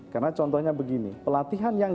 karena contohnya begini pelatihan yang